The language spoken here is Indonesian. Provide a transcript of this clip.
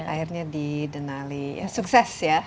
akhirnya di denali sukses ya